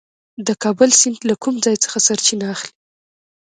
د کابل سیند له کوم ځای څخه سرچینه اخلي؟